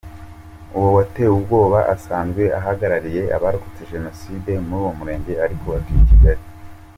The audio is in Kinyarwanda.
Uwo watewe ubwoba asanzwe ahagarariye abarokotse Jenoside muri uwo murenge, ariko atuye i Kigali.